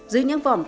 dưới những vùng đất